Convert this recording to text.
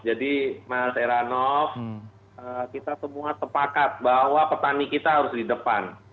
jadi mas erhanov kita semua sepakat bahwa petani kita harus diberikan